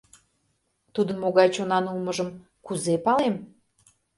Тудын могай чонан улмыжым кузе палем?